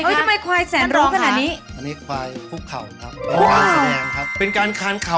มือให้กับอุ๋มกะอิ๋มและก็คุณแม่ค่ะ